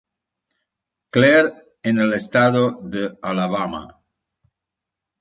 Clair en el estado de Alabama.